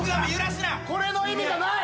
これの意味がない！